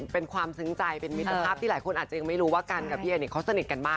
เป็นความซึ้งใจเป็นมิตรภาพที่หลายคนอาจจะยังไม่รู้ว่ากันกับพี่เอเนี่ยเขาสนิทกันมาก